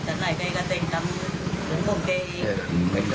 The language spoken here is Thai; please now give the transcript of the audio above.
ท่านหน่ายเคยก็ต้องทำส่วนของเคยอีก